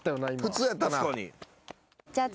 普通やったな。